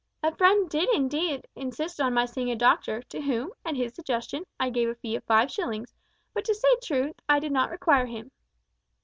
"A friend did indeed insist on my seeing a doctor, to whom, at his suggestion, I gave a fee of five shillings, but to say truth I did not require him."